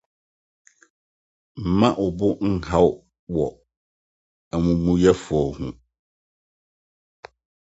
Mma wo bo nnhaw wo, amumɔyɛfo ho.